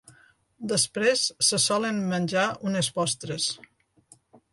Després, se solen menjar unes postres.